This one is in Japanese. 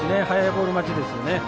速いボール待ちですね。